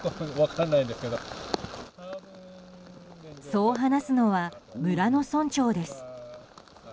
そう話すのは、村の村長です。